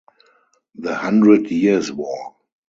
The Hundred Years' War.